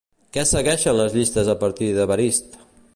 Què segueixen les llistes a partir d'Evarist?